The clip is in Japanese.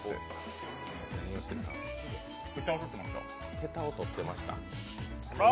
へたを取ってました。